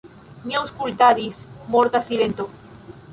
Mi aŭskultadis – morta silento.